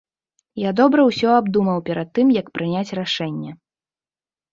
Я добра ўсё абдумаў перад тым, як прыняць рашэнне.